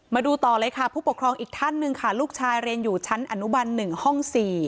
มาดูต่อเลยค่ะผู้ปกครองอีกท่านหนึ่งค่ะลูกชายเรียนอยู่ชั้นอนุบัน๑ห้อง๔